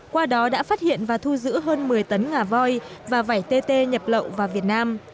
qua đó đã phát hiện và thu giữ hơn một mươi tấn ngà voi và vải tt nhập lậu vào việt nam